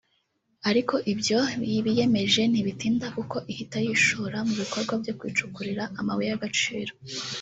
ariko ibyo biyemeje ntibitinda kuko ihita yishora mu bikorwa byo kwicukurira amabuye y’agaciro